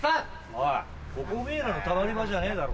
おいここおめぇらのたまり場じゃねえだろ。